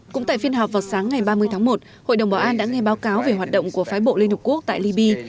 cũng tại phiên họp vào sáng ngày ba mươi tháng một hội đồng bảo an đã nghe báo cáo về hoạt động của phái bộ liên hợp quốc tại liby